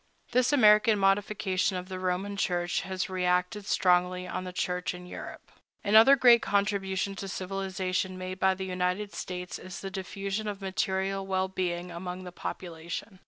This American modification of the Roman Church has reacted strongly on the Church in Europe.Another great contribution to civilization made by the United States is the diffusion of material well being among the population.